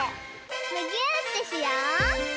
むぎゅーってしよう！